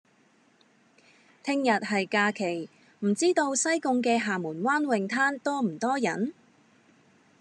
聽日係假期，唔知道西貢嘅廈門灣泳灘多唔多人？